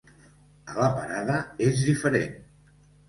A la parada és diferent.